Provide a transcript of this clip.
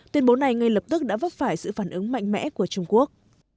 tuyên bố này ngay lập tức đã vấp phải sự phản ứng mạnh mẽ của trung quốc